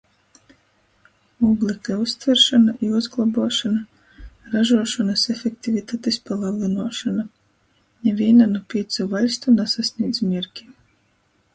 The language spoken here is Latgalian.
Ūglekļa uztveršona i uzglobuošona, ražuošonys efektivitatis palelynuošona. Nivīna nu pīcu vaļstu nasasnīdz mierki.